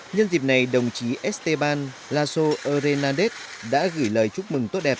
nhân dịp này đồng chí esteban lazo hernández đã gửi lời chúc mừng tốt đẹp